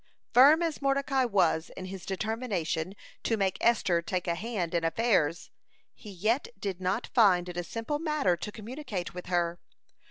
(136) Firm as Mordecai was in his determination to make Esther take a hand in affairs, he yet did not find it a simple matter to communicate with her.